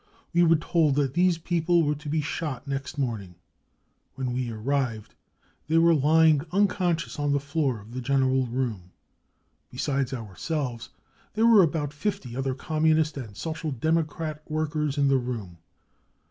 We were told that these people were „^ 4 ° be shot next morning ; when we arrived, they were lying unconscious on the floor of the general room. Besides ourselves, there were about 50 other Communist and Social Democratic workers in the room.